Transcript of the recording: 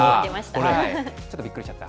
ちょっとびっくりしちゃった。